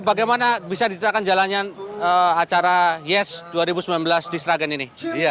bagaimana bisa dititahkan jalanan acara yes dua ribu sembilan belas di seragian ini